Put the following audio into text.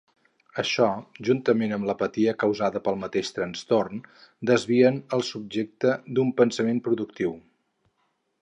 Això, juntament amb l'apatia causada pel mateix trastorn, desvien el subjecte d'un pensament productiu.